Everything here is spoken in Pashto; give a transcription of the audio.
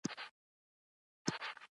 دغه محرک د هغه ذهن ته عجيبه اغېز ولېږداوه.